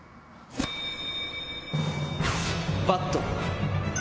バット